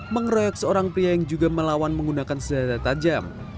mengeroyok seorang pria yang juga melawan menggunakan senjata tajam